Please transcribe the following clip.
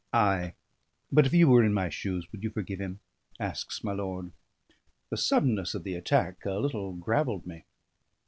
"Ay, but if you were in my shoes, would you forgive him?" asks my lord. The suddenness of the attack a little gravelled me.